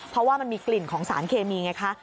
เพราะว่ามันมีกลิ่นของสารเคมีไงคะ